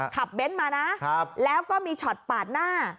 ขับเบนท์มานะแล้วก็มีช็อตปากหน้า